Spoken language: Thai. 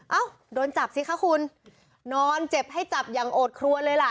โดนจับสิคะคุณนอนเจ็บให้จับอย่างโอดครัวเลยล่ะ